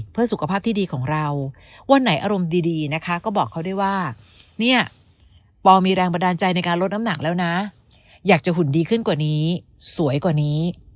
ปอมีแรงบันดาลใจในการลดน้ำหนักแล้วนะอยากจะหุ่นดีขึ้นกว่านี้สวยกว่านี้